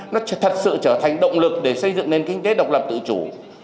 nó thật sự trở thành động lực để xây dựng nền kinh tế độc lập tự chủ